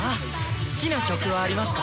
好きな曲はありますか？